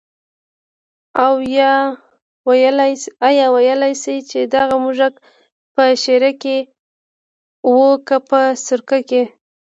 آیا ویلای شې چې دغه موږک په شېره کې و که په سرکه کې.